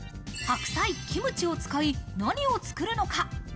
白菜、キムチを使い、何を作るのか？